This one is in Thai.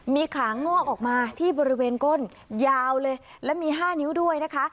มีขางอกออกมาที่บริเวณก้นยาวเลยและมี๕นิ้วด้วยนะคะ